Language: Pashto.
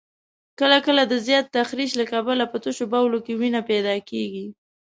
کله کله د زیات تخریش له کبله په تشو بولو کې وینه پیدا کېږي.